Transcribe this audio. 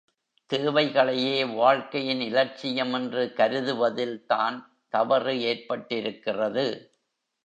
தேவைகளையே வாழ்க்கையின் இலட்சியம் என்று கருதுவதில் தான் தவறு ஏற்பட்டிருக்கிறது.